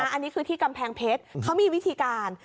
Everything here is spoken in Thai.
อันนี้คือที่กำแพงเพชรเขามีวิธีการ